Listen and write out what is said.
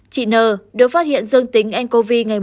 chị n được phát hiện dương tính ncov ngày chín chín